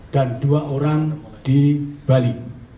dan dua orang di bali